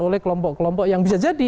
oleh kelompok kelompok yang bisa jadi